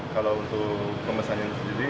kalau untuk pemesan yang sejati